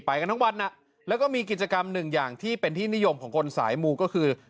กันทั้งวันนะแล้วก็มีกิจกรรมหนึ่งอย่างที่เป็นที่นิยมของคนสายมูก็คือ